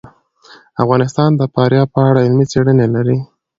افغانستان د فاریاب په اړه علمي څېړنې لري.